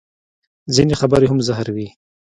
ځینې خبرې هم زهر وي